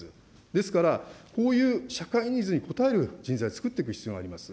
ですから、こういう社会ニーズに応える人材を作っていく必要があります。